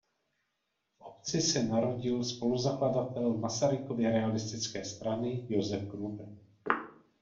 V obci se narodil spoluzakladatel Masarykovy „realistické strany“ Josef Gruber.